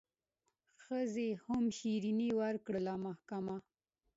ښځي هم شیریني ورکړله محکمه